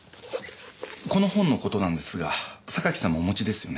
この本のことなんですが榊さんもお持ちですよね？